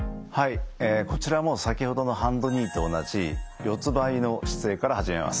こちらも先ほどのハンドニーと同じ四つばいの姿勢から始めます。